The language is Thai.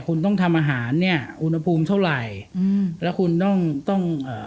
คุณต้องทำอาหารเนี้ยอุณหภูมิเท่าไหร่อืมแล้วคุณต้องต้องเอ่อ